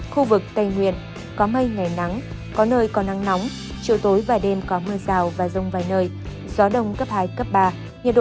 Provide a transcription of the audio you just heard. khu vực tây nguyên có mây ngày nắng có nơi có nắng nóng chiều tối và đêm có mưa rào và rông vài nơi gió đông cấp hai ba nhiệt độ thấp nhất từ một mươi bảy hai mươi ba độ